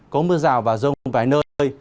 có mưa rào và rông vài nơi